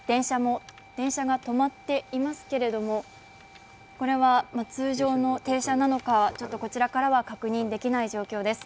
電車が止まっていますけれどもこれが通常の停車なのかこちらからは確認できない状況です。